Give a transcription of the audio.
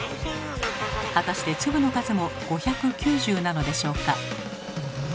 果たして粒の数も５９０なのでしょうか。